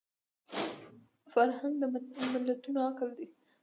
فرهنګ د ملتونو عقل دی